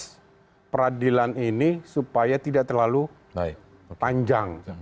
proses peradilan ini supaya tidak terlalu panjang